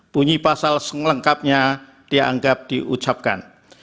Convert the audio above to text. bunyi pasal selengkapnya dianggap diucapkan